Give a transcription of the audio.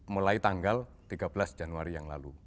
mulai tanggal tiga belas januari yang lalu